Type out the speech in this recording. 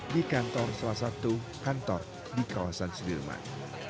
di kantor salah satu kantor di kawasan sudirman